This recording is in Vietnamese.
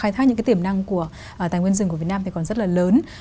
khai thác những cái tiềm năng của tài nguyên rừng của việt nam thì còn rất là lớn